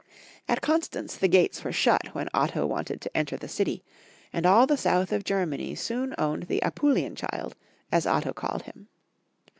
At Constance the gates were shut when Otto wanted to enter the city, and all the south of Germany soon owned the Apulian child, as Otto called him.